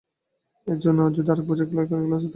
এরজন্য যদি আরেকবছর একই ক্লাসে থাকতে হয় তাহলেও আমি রাজি।